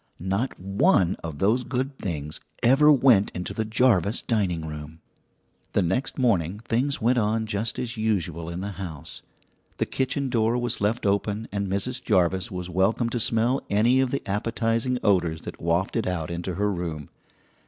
Not one of those good things ever went into the Jarvis dining room! The next morning things went on just as usual in the house. The kitchen door was left open and Mrs. Jarvis was welcome to smell any of the appetizing odours that wafted out into her room.